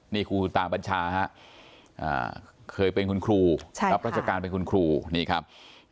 นี่ครูคุณตาบัญชาฮะเคยเป็นคุณครูรับราชการเป็นคุณครูนี่ครับ